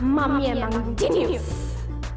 mami emang genius